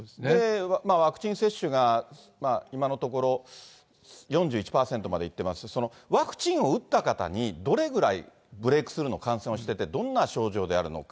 ワクチン接種が今のところ、４１％まで行ってますし、そのワクチンを打った方にどれくらいブレークスルーの感染をしてて、どんな症状であるのか。